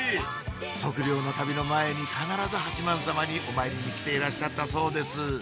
測量の旅の前に必ず八幡様にお参りに来ていらっしゃったそうです